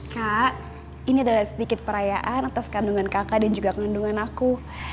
kak ini adalah sedikit perayaan atas kandungan kakak dan juga kandungan aku